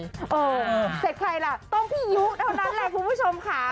เสร็จใครล่ะต้องพี่ยุเท่านั้นแหละคุณผู้ชมค่ะ